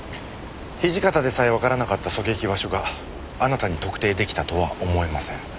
土方でさえわからなかった狙撃場所があなたに特定できたとは思えません。